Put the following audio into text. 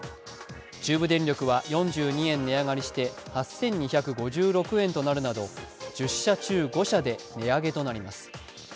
中部電力は４２円値上がりして８２５６円となるなど１０社中５社で値上げとなります。